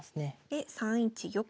で３一玉。